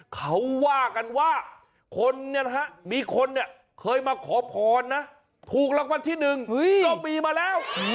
เขาว่ากันว่าคนเนี่ยนะฮะมีคนเนี่ยเคยมาขอพรนะถูกรางวัลที่หนึ่งก็มีมาแล้ว